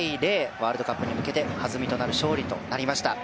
ワールドカップに向けて弾みとなる勝利となりました。